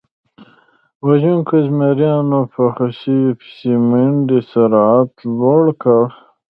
وژونکو زمریانو په هوسیو پسې د منډې سرعت لوړ کړ.